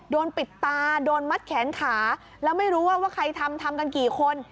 โดนปิดตาโดนมัดแขนขาแล้วไม่รู้ว่าว่าใครทำทำกันกี่คน